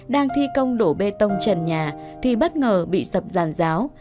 đang thi công đổ bê tông trần nhà thì bất ngờ bị sập giàn giáo